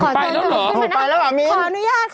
ขอเจอพี่หุ้นที่ใหม่แล้วขออนุญาตครับเพราะว่า